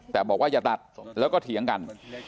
แต่บอกว่าอย่าตัดแล้วก็เถียงกัน